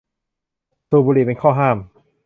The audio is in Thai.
สุบบุหรี่เป็นข้อห้าม